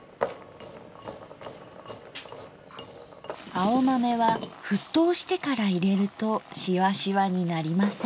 青豆は沸騰してから入れるとシワシワになりません。